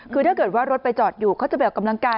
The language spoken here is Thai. คือถ้าเกิดว่ารถไปจอดอยู่เขาจะไปออกกำลังกาย